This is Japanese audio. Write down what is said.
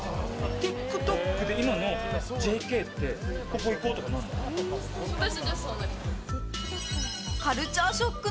ＴｉｋＴｏｋで今のＪＫってここ行こう、とかなるの？